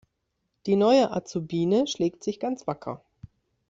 Die neue Azubine schlägt sich ganz wacker.